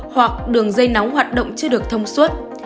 hoặc đường dây nóng hoạt động chưa được thông suốt